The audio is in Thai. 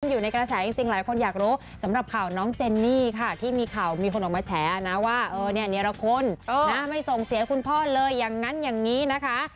อยู่ในกระแสจริงหลายคนอยากรู้สำหรับข่าวน้องเจนนี่ค่ะที่มีข่าวมีคนออกมาแฉนะว่าเออเนี่ยเนรคุณไม่ส่งเสียคุณพ่อเลยอย่างนั้นอย่างนี้นะคะ